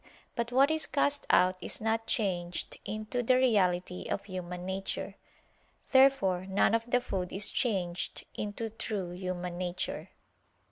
But what is cast out is not changed into the reality of human nature. Therefore none of the food is changed into true human nature.